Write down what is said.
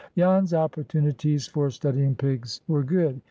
Jan's opportunities for studying pigs were good.